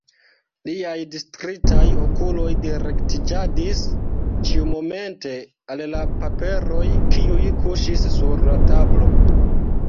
Liaj distritaj okuloj direktiĝadis ĉiumomente al la paperoj, kiuj kuŝis sur la tablo.